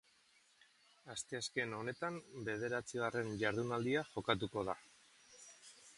Asteazken honetan bederatzigarren jardunaldia jokatuko da.